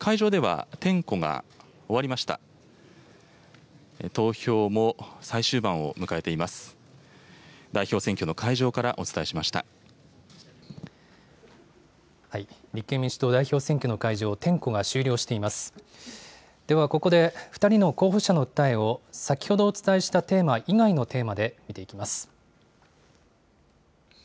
ではここで、２人の候補者の訴えを、先ほどお伝えしたテーマ以外のテーマで見ていきます。